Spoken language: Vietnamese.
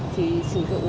chỉ sử dụng là nếu bị mất